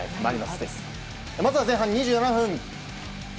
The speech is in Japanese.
まずは前半２７分。